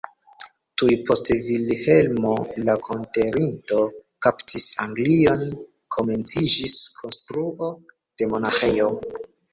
Tuj post Vilhelmo la Konkerinto kaptis Anglion komenciĝis konstruo de monaĥejo.